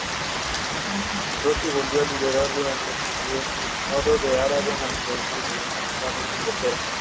Rossi volvió a liderar durante un período en Aragón antes de terminar finalmente tercero.